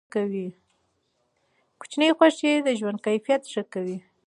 کوچني خوښۍ د ژوند کیفیت ښه کوي.